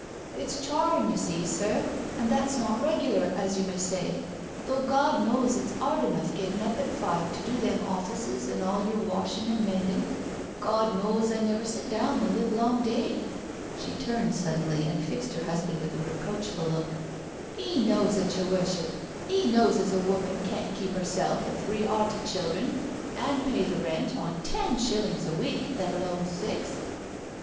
It's charrin', you see, sir, and that's not regular, as you may say— though Gawd knows it's 'ard enough gettin' up at five to do them offices and all yer washing and mendin*. Gawd knows, I never sit down the livelong day." She turned suddenly and fixed her husband with' a reproachful look. "'£ knows it, yer Worship, 'e knows as a woman can't keep 'erself and three 'earty childern, and pay the rent on ten shillings a week, let alone six.